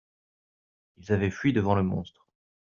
ils avaient fui devant le monstre.